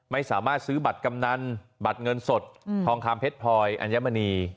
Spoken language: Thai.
ไม่สามารถซื้อบัตรกำนันบัตรเงินสดทองคำเพชรพลอยอัญมณี